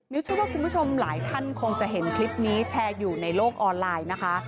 เชื่อว่าคุณผู้ชมหลายท่านคงจะเห็นคลิปนี้แชร์อยู่ในโลกออนไลน์นะคะ